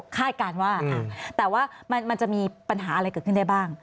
การว่าแต่ว่ามันจะมีปัญหาอะไรเกิดขึ้นได้บ้าง